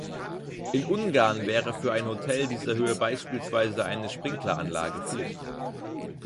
In Ungarn wäre für ein Hotel dieser Höhe beispielsweise eine Sprinkleranlage Pflicht.